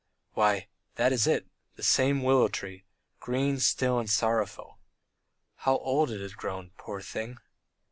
Why, that is it, the same willow tree green, still, and sorrowful. ... How old it has grown, poor thing!